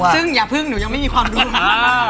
ซึ่งอย่าพึ่งหนูยังไม่มีความรู้ค่ะ